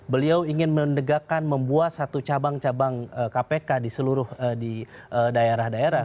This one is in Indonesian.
beliau ingin mendegakan membuat satu cabang cabang kpk di seluruh di daerah daerah